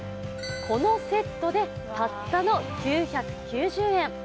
このセットでたったの９９０円。